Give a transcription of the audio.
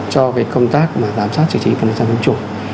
cho công tác giám sát sử trí phần hướng sau tiêm chủng